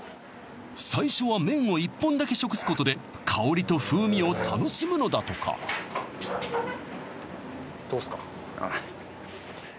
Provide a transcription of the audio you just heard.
最初は麺を１本だけ食すことで香りと風味を楽しむのだとかどうっすか？